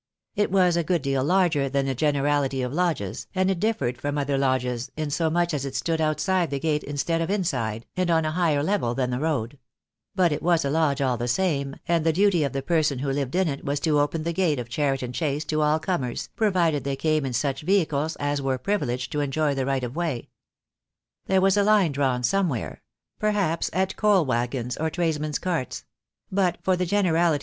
It was a good deal larger than the generality of lodges, and it differed from other lodges insomuch as it stood outside the gate instead of inside, and on a higher level than the road; but it was a lodge all the same, and the duty of the person who lived in it was to open the gate of Cheriton Chase to all comers, provided they came in such vehicles as were privileged to enjoy the right of way. There was a line drawn somewhere; perhaps at coal waggons or tradesmen's carts; but for the generality 70 THE DAY WILL COME.